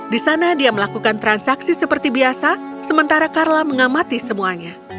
di sana dia melakukan transaksi seperti biasa sementara carla mengamati semuanya